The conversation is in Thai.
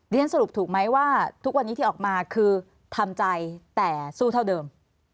เรียนสรุปถูกไหมว่าทุกวันนี้ที่ออกมาคือทำใจแต่สู้เท่าเดิม